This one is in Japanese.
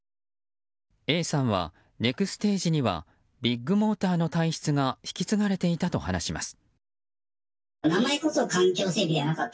Ａさんは、ネクステージにはビッグモーターの体質が引き継がれていたと話します。